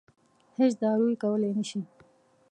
هېڅ دارو یې کولای نه شي.